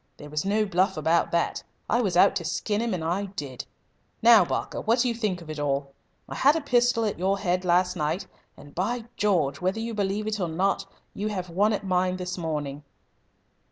There was no bluff about that. I was out to skin him, and I did. Now, Barker, what do you think of it all? I had a pistol at your head last night, and, by George! whether you believe it or not, you have one at mine this morning!"